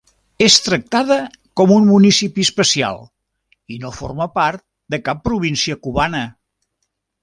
És tractada com un municipi especial, i no forma part de cap província cubana.